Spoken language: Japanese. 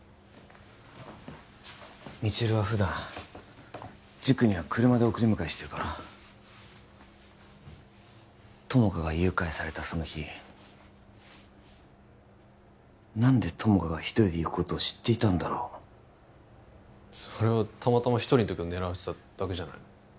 未知留は普段塾には車で送り迎えしてるから友果が誘拐されたその日何で友果が一人で行くことを知っていたんだろうそれはたまたま一人の時を狙われてただけじゃないの？